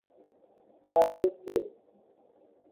সারা বিশ্বেই।